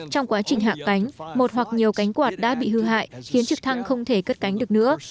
trong quá trình hạ cánh một hoặc nhiều cánh quạt đã bị hư hại khiến trực thăng không thể cất cánh được nữa